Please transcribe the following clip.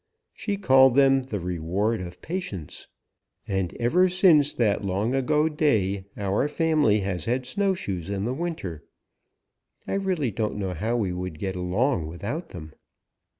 She called them the reward of patience. And ever since that long ago day our family has had snowshoes in the winter. I really don't know how we would get along without them."